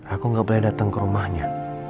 aku gak boleh datang ke rumahnya